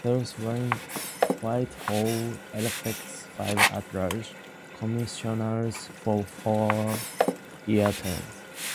South Whitehall elects five at-large commissioners for four-year terms.